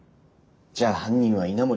じゃあ犯人は稲森。